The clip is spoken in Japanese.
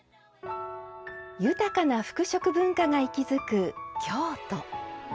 豊かな服飾文化が息づく京都。